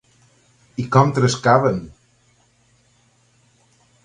I com trescaven!